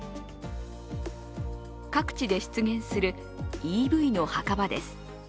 各地で出現するＥＶの墓場です。